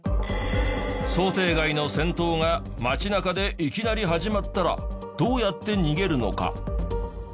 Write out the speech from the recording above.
想定外の戦闘が街中でいきなり始まったらどうやって逃げるのか？